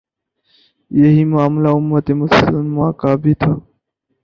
یہی معاملہ امت مسلمہ کا بھی تھا۔